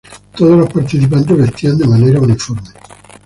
Todos los participantes vestían de manera uniforme.